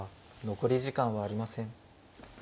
残り時間はありません。